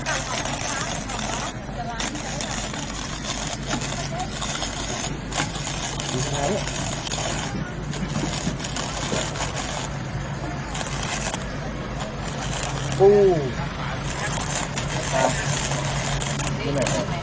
โคตรแก๊งโคตรหรือราฟันสุดท้าย